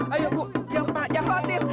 ayo bu ya pak jangan khawatir